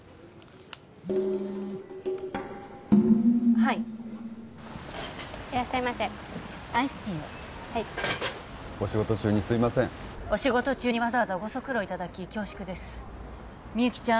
はいいらっしゃいませアイスティーをはいお仕事中にすいませんお仕事中にわざわざご足労いただき恐縮ですみゆきちゃん